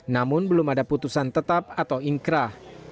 namun belum ada putusan tetap atau inkrah